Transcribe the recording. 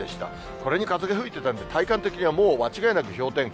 これに風が吹いてたんじゃ体感的には、もう間違いなく氷点下。